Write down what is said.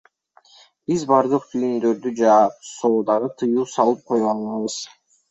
Биз бардык түйүндөрдү жаап, соодага тыюу салып кое албайбыз.